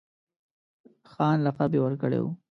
خان لقب یې ورکړی وو.